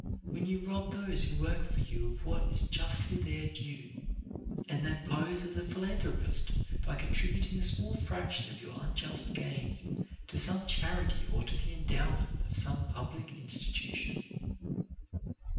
When you rob those who work for you of what is justly their due, and then pose as a philanthropist by contributing a small fraction of your unjust gains to some charity or to the endowment of some public institution.